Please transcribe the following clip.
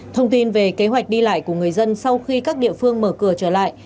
thông tin về kế hoạch đi lại của người dân sau khi các địa phương mở cửa trở lại